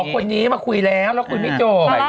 คนนี้มาคุยแล้วแล้วคุยไม่จบ